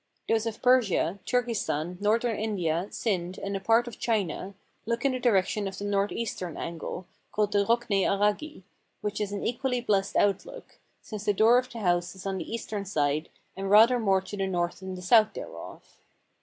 Those of Persia, Turkestan, northern India, Sind, and a part of China, look in the direction of the northeastern angle, called the Rokne Araghi, which is an equally blessed outlook, since the door of the house is on the eastern side and rather more to the north than the south thereof.